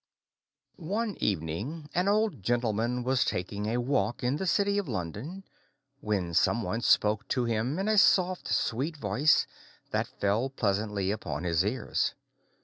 * One evening an Old Gentleman was taking a walk in the city of London, when some one spoke to him in a soft, sweet voice that fell pleasantly upon his ears.